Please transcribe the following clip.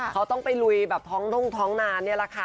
เขาต้องไปลุยแบบท้องทุ่งท้องนานนี่แหละค่ะ